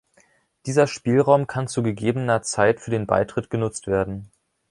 Dieser Spielraum kann zu gegebener Zeit für den Beitritt genutzt werden.